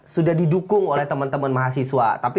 sudah didukung oleh teman teman mahasiswa tapi